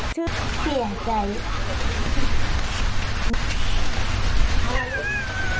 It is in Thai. ชื่อเสียใจ